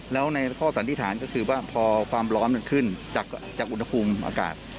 แล้วในข้อสันนิษฐานก็คือว่าพอความร้อนมันขึ้นจากอุณหภูมิอากาศ